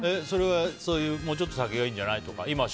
もうちょっと先がいいんじゃない？とか？